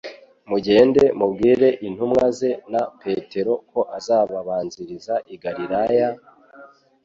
"Mugende mubwire intumwa ze na Petero ko azababanziriza i Galilaya,